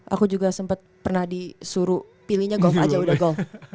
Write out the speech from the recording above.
aku juga sempat pernah disuruh pilihnya golf aja udah golf